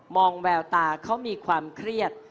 แววตาเขามีความเครียด